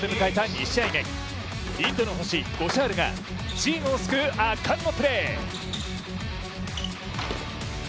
２試合目インドの星・ゴシャールがチームを救う圧巻のプレー。